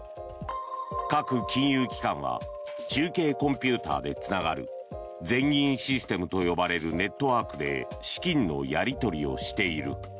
各金融機関は中継コンピューターでつながる全銀システムと呼ばれるネットワークで資金のやり取りをしている。